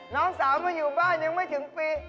น้องสาวมาอยู่บ้านยังไม่ถึงปี